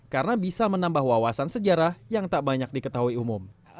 karena bisa menambah wawasan sejarah yang tak banyak diketahui umum